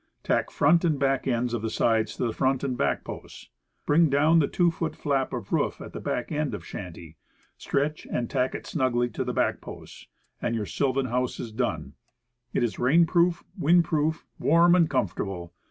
Tack front and back ends of sides to the front and back posts. Bring down the 2 foot flap of roof at back end of shanty; stretch, and tack it snugly to the back posts and your sylvan house is done. It is rain proof, wind proof, warm and com fortable.